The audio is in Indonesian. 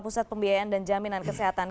pusat pembiayaan dan jaminan kesehatan